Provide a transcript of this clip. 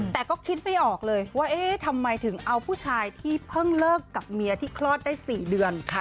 แต่ก็คิดไม่ออกเลยว่าเอ๊ะทำไมถึงเอาผู้ชายที่เพิ่งเลิกกับเมียที่คลอดได้๔เดือน